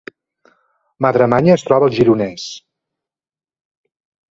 Madremanya es troba al Gironès